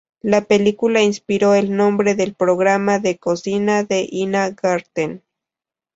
La película inspiró el nombre del programa de cocina de Ina Garten.